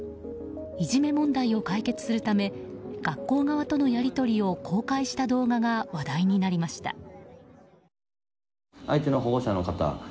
いじめ問題を解決するため学校側とのやり取りを公開した動画が話題になりました。